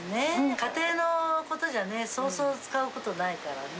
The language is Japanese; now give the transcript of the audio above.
家庭のことじゃね、そうそう使うことないからね。